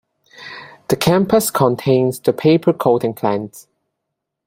The campus contains the paper coating plant.